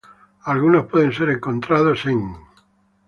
Algunos pueden ser encontrados en